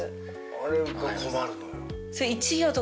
あれが困るのよ。